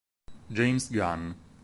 James Gunn